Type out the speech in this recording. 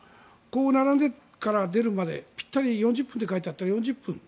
並んでから出るまで４０分と書いてあったら４０分。